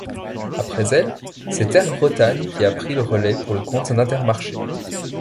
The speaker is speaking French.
Après elle, c'est Air Bretagne qui a pris le relais pour le compte d'Intermarché.